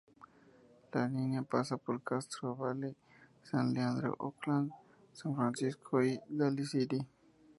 La línea pasa por Castro Valley, San Leandro, Oakland, San Francisco y Daly City.